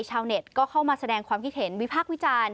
ชาวเน็ตก็เข้ามาแสดงความคิดเห็นวิพากษ์วิจารณ์